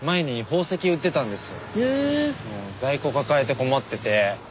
在庫抱えて困ってて。